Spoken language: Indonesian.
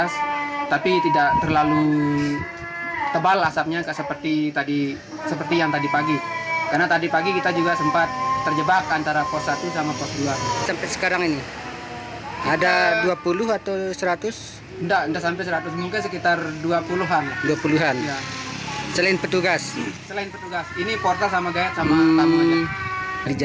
selain petugas ini portal sama tamu saja